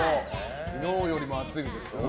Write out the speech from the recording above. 昨日よりも暑いみたいですよ。